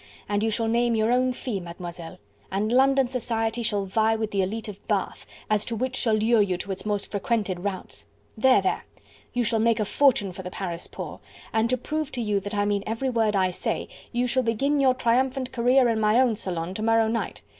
and you shall name your own fee, Mademoiselle... and London society shall vie with the elite of Bath, as to which shall lure you to its most frequented routs.... There! there! you shall make a fortune for the Paris poor... and to prove to you that I mean every word I say, you shall begin your triumphant career in my own salon to morrow night.